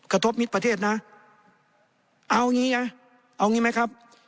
กระทบมิตรประเทศนะเอางี้ไงเอางี้ไหมครับ